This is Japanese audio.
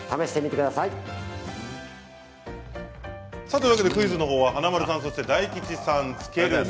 さあというわけでクイズのほうは華丸さんそして大吉さんつける前大